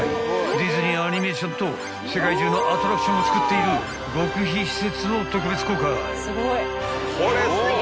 ［ディズニー・アニメーションと世界中のアトラクションをつくっている極秘施設を特別公開］